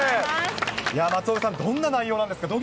松岡さん、どんな内容なんですか？